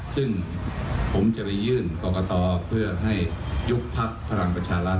ซึ่งผมจะไปยื่นกรกตเพื่อให้ยุบพักพลังประชารัฐ